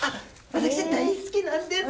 私大好きなんです！